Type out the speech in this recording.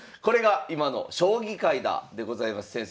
これが今の将棋界だ」でございます。